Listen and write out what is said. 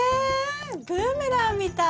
ブーメランみたい。